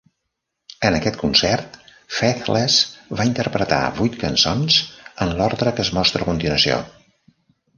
En aquest concert, Faithless va interpretar vuit cançons en l'ordre que es mostra a continuació.